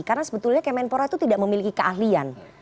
karena sebetulnya kemenpora itu tidak memiliki keahlian